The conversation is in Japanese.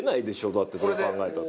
だってどう考えたって。